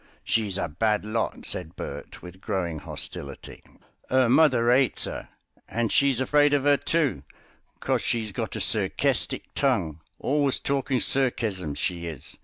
"She's a bad lot," said Bert with growing hostility. "'Er mother 'ates her, and she's afraid of 'er, too, cos she's got a serkestic tongue; always talking serkesms, she is.